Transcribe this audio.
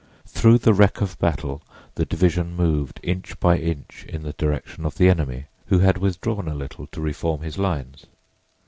Through the wreck of battle the division moved, inch by inch, in the direction of the enemy, who had withdrawn a little to reform his lines.